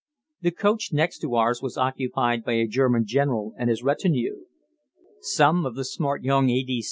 The coach next to ours was occupied by a German general and his retinue. Some of the smart young A.